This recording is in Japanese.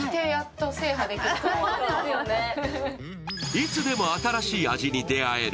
いつでも新しい味に出会える